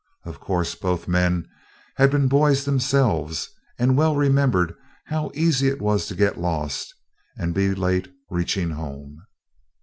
Of course, both men had been boys themselves, and well remembered how easy it was to get lost, and be late reaching home.